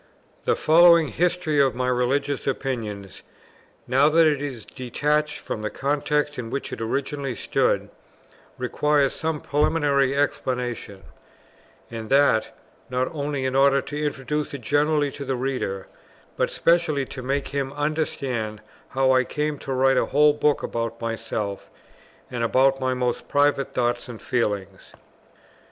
The following History of my Religious Opinions, now that it is detached from the context in which it originally stood, requires some preliminary explanation; and that, not only in order to introduce it generally to the reader, but specially to make him understand, how I came to write a whole book about myself, and about my most private thoughts and feelings.